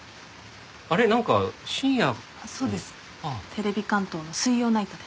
テレビ関東の水曜ナイトで。